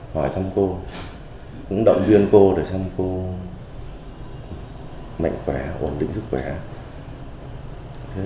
hỏi thăm cô cũng động viên cô để thăm cô mạnh khỏe ổn định sức khỏe